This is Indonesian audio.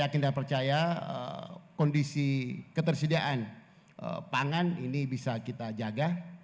saya tidak percaya kondisi ketersediaan pangan ini bisa kita jaga